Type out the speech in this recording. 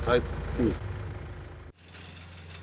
うん。